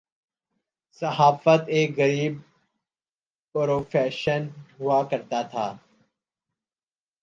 صحافت ایک غریب پروفیشن ہوا کرتاتھا۔